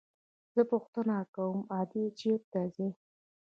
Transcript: زه پوښتنه کوم ادې چېرته ځي.